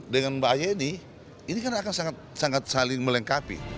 dengan mbak yeni ini kan akan sangat saling melengkapi